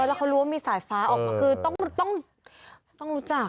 แล้วเขารู้ว่ามีสายฟ้าออกมาคือต้องรู้จัก